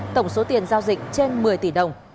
tổng số tiền giao dịch trên một mươi tỷ đồng